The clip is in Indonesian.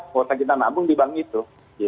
kuota kita nabung di bank itu